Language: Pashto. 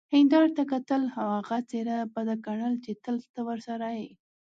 هیندارې ته کتل او هغه څیره بده ګڼل چې تل ته ورسره يې،